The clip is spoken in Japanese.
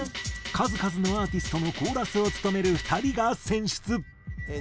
数々のアーティストのコーラスを務める２人が選出。